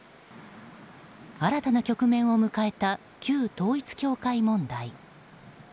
新たな局面を迎えた旧統一教会問題。